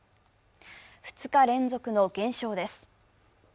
２日連続の減少です。